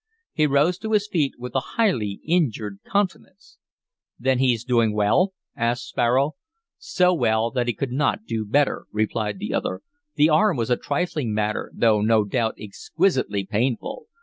He rose to his feet with a highly injured countenance. "Then he's doing well?" asked Sparrow. "So well that he could n't do better," replied the other. "The arm was a trifling matter, though no doubt exquisitely painful.